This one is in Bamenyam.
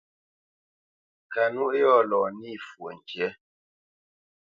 Kanúʼ yɔ̂ lɔ nî fwo ŋkǐ.